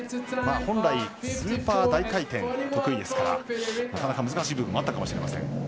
本来、スーパー大回転が得意ですからなかなか難しい部分もあったかもしれません。